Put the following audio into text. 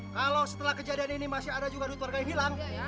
kalau setelah kejadian ini masih ada juga dua keluarga yang hilang